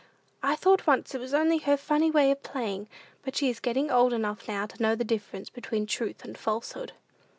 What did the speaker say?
I thought once it was only her funny way of playing; but she is getting old enough now to know the difference between truth and falsehood."